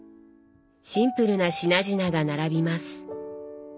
シンプルな品々が並びます。